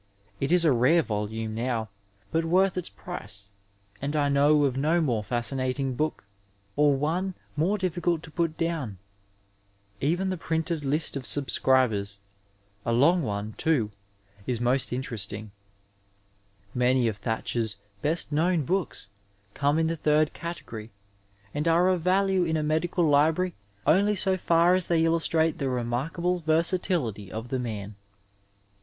It is a rare volume now, but worth its price, and I know of no more fascinating book, or one more difficult to put down. Even the printed list of subscoiben 323 Digitized by VjOOQIC SOME ASPECTS OF AMERICAN — a long one, too — ia most interesting. Many of Thacher's best known books come in the third category, and are of value in a medical library only so far as they illostiate the remarkable versatility of the man.